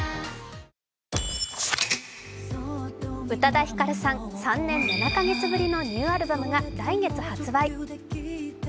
宇多田ヒカルさん、３年７カ月ぶりのニューアルバムが来月発売。